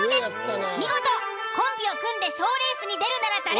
見事コンビを組んで賞レースに出るなら誰？